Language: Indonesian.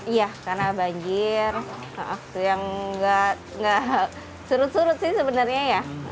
iya karena banjir waktu yang nggak surut surut sih sebenarnya ya